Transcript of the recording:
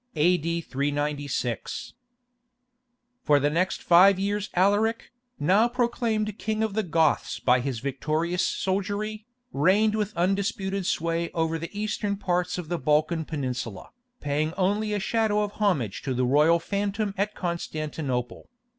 [A.D. 396.] For the next five years Alaric, now proclaimed King of the Goths by his victorious soldiery, reigned with undisputed sway over the eastern parts of the Balkan Peninsula, paying only a shadow of homage to the royal phantom at Constantinople.